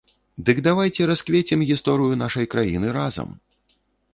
Дык давайце расквецім гісторыю нашай краіны разам!